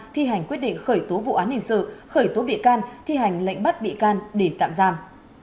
thi hành quyết định khởi tố vụ án hình sự khởi tố bị can thi hành lệnh bắt bị can để tạm giam